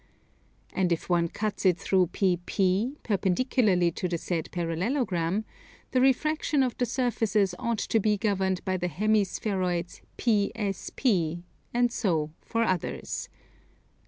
And if one cuts it through PP, perpendicularly to the said parallelogram, the refraction of the surfaces ought to be governed by the hemi spheroids PSP, and so for others.